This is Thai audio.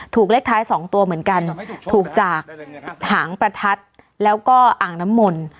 เลขท้ายสองตัวเหมือนกันถูกจากหางประทัดแล้วก็อ่างน้ำมนต์